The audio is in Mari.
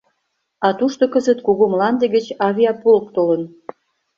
А тушко кызыт Кугу Мланде гыч авиаполк толын.